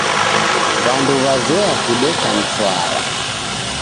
W'andu wazoya kudeka mswara.